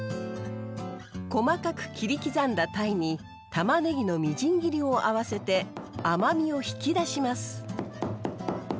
細かく切り刻んだタイにたまねぎのみじん切りを合わせて甘みを引き出します。